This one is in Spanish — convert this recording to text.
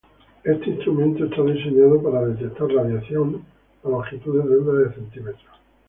Este instrumento está diseñado para detectar radiación a longitudes de onda de centímetros.